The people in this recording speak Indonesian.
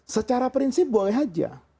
secara prinsip boleh aja